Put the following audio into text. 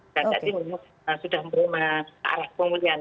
dan jadi sudah mengumumkan arah pemulihan